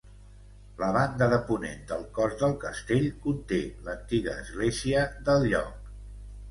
La banda de ponent del cos del castell conté l'antiga església del lloc.